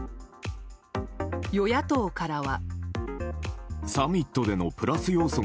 与野党からは。